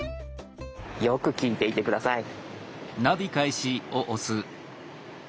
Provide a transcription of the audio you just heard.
よく聞いていて下さい。